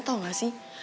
tau gak sih